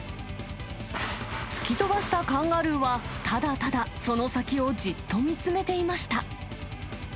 突き飛ばしたカンガルーは、ただただその先をじっと見つめていました。